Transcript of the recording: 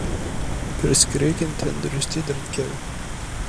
Pirsgirêkên tenduristiyê derdikevin.